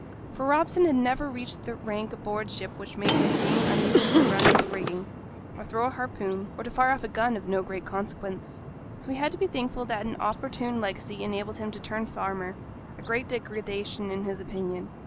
For Robson had never reached that rank aboard ship which made his being unable to run up the rigging, or to throw a harpoon, or to fire off a gun, of no great consequence; so he had to be thankful that an opportune legacy enabled him to turn farmer, a great degradation in his opinion.